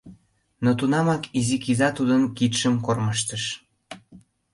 Но тунамак изи киза тудын кидшым кормыжтыш: